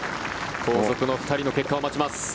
後続の２人の結果を待ちます。